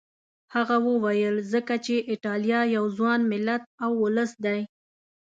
هغه وویل ځکه چې ایټالیا یو ځوان ملت او ولس دی.